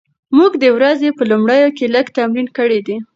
موږ د ورځې په لومړیو کې لږ تمرین کړی دی.